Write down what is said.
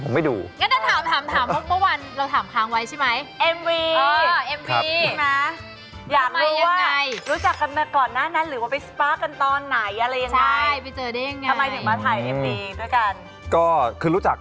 ก็ไม่ดูครับ